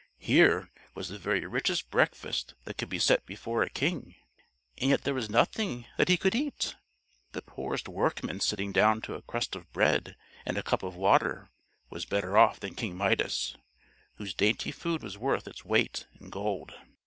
Here was the very richest breakfast that could be set before a King, and yet there was nothing that he could eat! The poorest workman sitting down to a crust of bread and a cup of water was better off than King Midas, whose dainty food was worth its weight in gold.